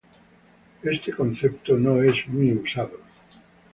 Este concepto no es muy usado.